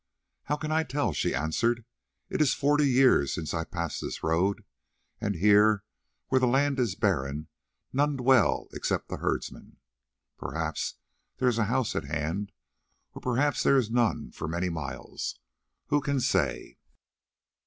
"How can I tell?" she answered. "It is forty years since I passed this road, and here, where the land is barren, none dwell except the herdsmen. Perhaps there is a house at hand, or perhaps there is none for many miles. Who can say?"